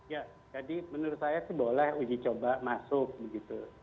ya jadi menurut saya seboleh uji coba masuk begitu